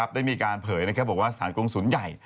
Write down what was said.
ได้มีการเผยบอกว่าสถานกงศูนย์ใหญ่